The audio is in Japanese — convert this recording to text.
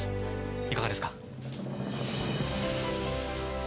いかがですか。